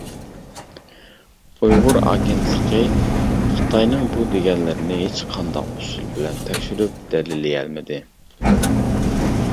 ئۇيغۇر ئاگېنتلىقى خىتاينىڭ بۇ دېگەنلىرىنى ھېچقانداق ئۇسۇل بىلەن تەكشۈرۈپ دەلىللىيەلمىدى.